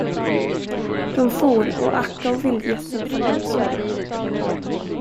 De for, och Akka och vildgässen följde också med.